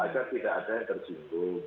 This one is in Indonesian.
agar tidak ada yang tersinggung